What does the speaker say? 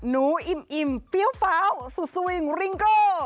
หนูอิ่มอิ่มเฟี้ยวเฟ้าสุสุวิงริงโก